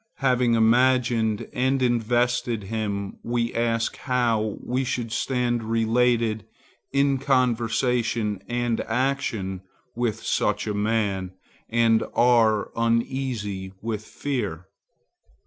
Having imagined and invested him, we ask how we should stand related in conversation and action with such a man, and are uneasy with fear.